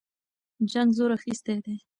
جنګ زور اخیستی دی.